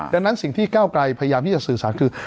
ดังนั้นสิ่งที่ก้าวไกลพยายามที่จะสื่อสารคือ